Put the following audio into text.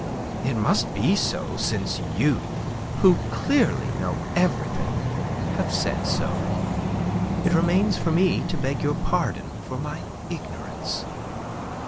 It must be so, since you, who clearly know everything, have said so. It remains for me to beg your pardon for my ignorance."